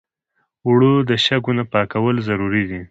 اوړه د شګو نه پاکول ضروري دي